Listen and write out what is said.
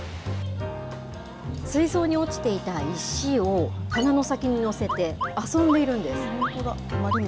水槽に落ちていた石を鼻の先に載せて、遊んでいるんです。